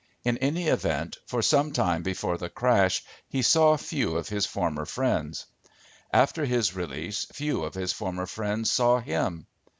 In any event, for some time before the crash he saw few of his former friends. After his release few of his former friends saw him.